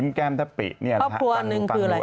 ดอกไม้๒ช่อเหรอเธอ